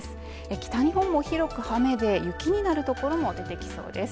北日本も広く雨で雪になるところも出てきそうです。